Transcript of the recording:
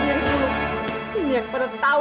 nyanyi yang pernah tahu